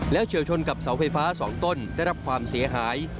เฉียวชนกับเสาไฟฟ้า๒ต้นได้รับความเสียหาย